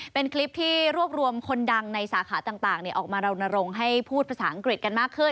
เป็นคลิปที่รวบรวมคนดังในสาขาต่างออกมารณรงค์ให้พูดภาษาอังกฤษกันมากขึ้น